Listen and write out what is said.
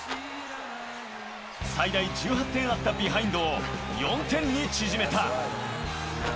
最大１８点あったビハインドを４点に縮めた。